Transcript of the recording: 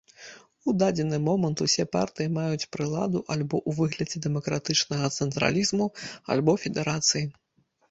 У дадзены момант усе партыі маюць прыладу альбо ў выглядзе дэмакратычнага цэнтралізму, альбо федэрацыі.